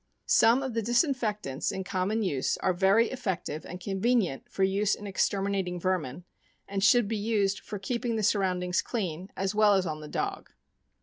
Some of the disinfectants in common use are very effective and convenient for use in exterminating vermin, and should be used for keeping the surroundings clean, as well as on the dog.